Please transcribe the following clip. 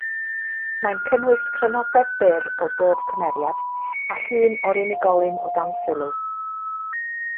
Mae'n cynnwys crynodeb byr o bob cymeriad, a llun o'r unigolyn o dan sylw.